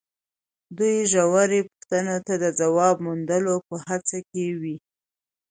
دوی ژورو پوښتنو ته د ځواب موندلو په هڅه کې وي.